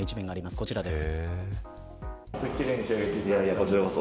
こちらです。